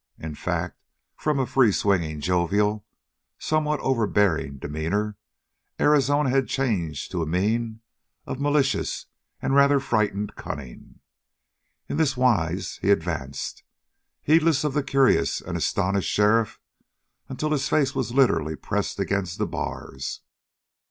In fact, from a free swinging, jovial, somewhat overbearing demeanor, Arizona had changed to a mien of malicious and rather frightened cunning. In this wise he advanced, heedless of the curious and astonished sheriff, until his face was literally pressed against the bars.